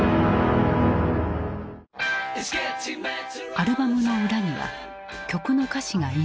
アルバムの裏には曲の歌詞が印刷された。